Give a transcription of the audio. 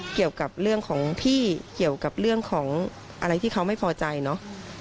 เกี่ยวกับเรื่องของพี่เกี่ยวกับเรื่องของอะไรที่เขาไม่พอใจเนาะ